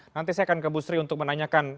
nanti saya akan ke bu sri untuk menanyakan